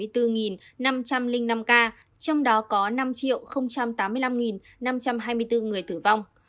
trong đó có năm tám mươi năm năm trăm hai mươi bốn người